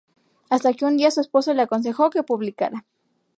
Hasta que un día su esposo le aconsejó que publicara.